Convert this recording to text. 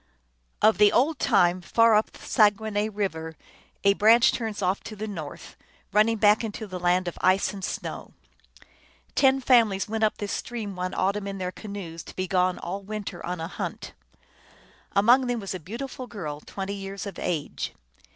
Of the old time. Far up the Saguenay River a branch turns off to the north, running back into the land of ice and snow. Ten families went up this stream one autumn in their canoes, to be gone all \vinter on a hunt. Among them was a beautiful girl, twenty years of age.